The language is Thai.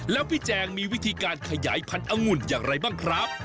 แล้วพี่แจงมีวิธีการขยายพันธุ์อังุ่นอย่างไรบ้างครับ